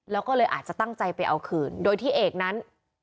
แล้วก็เลยอาจจะตั้งใจไปเอาคืนโดยที่เอกนั้น